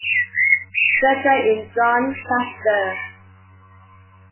Senator in Jon Tester.